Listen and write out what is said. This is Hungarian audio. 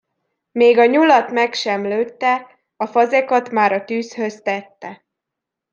Még a nyulat meg sem lőtte, a fazekat már a tűzhöz tette.